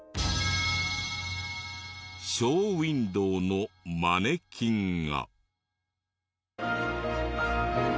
ショーウィンドーのマネキンが。